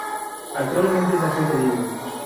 Actualmente es agente libre.